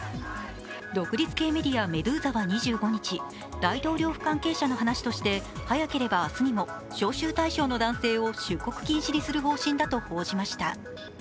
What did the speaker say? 独立系メディア・メドゥーザは２５日、大統領府関係者の話として、早ければ明日にも、招集対象の男性を出国禁止にする方針だと報じました。